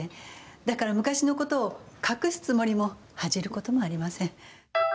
だから昔のことを隠すつもりも、恥じることもありません。